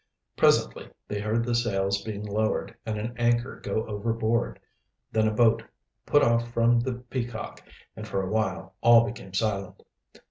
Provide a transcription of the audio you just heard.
Presently they heard the sails being lowered and an anchor go overboard. Then a boat put off from the Peacock, and for a while all became silent.